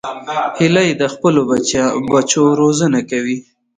هیلۍ د خپلو بچو روزنه کوي